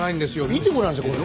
見てごらんなさい。